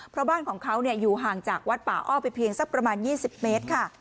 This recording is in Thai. เพราะบ้านของเขาอยู่ห่างจากวัดป่าอ้อไปเพียงสักประมาณ๒๐เมตรค่ะ